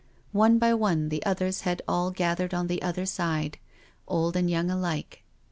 One by one the others had all gathered on the Other Side, old and young alike.